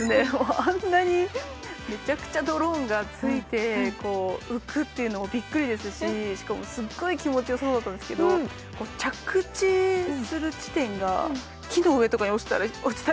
あんなにめちゃくちゃドローンが付いて浮くっていうのもビックリですししかもすっごい気持ち良さそうだったんですけど着地する地点が木の上とかに落ちたりしたら。